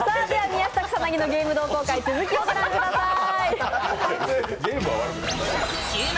「宮下草薙のゲーム同好会」続きをご覧ください。